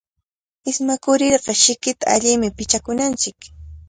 Ismakurirqa sikita allimi pichakunanchik.